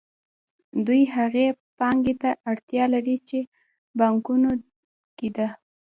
دوی هغې پانګې ته اړتیا لري چې په بانکونو کې ده